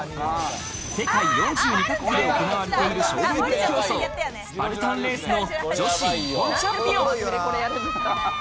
世界４２ヶ国で行われている賞レース競争、スパルタンレースの女子日本チャンピオン。